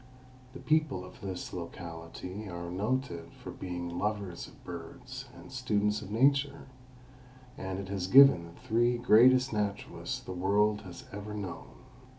The people of this locality are noted for being lovers of birds and students of nature, and it has given the three greatest naturalists the world has ever known.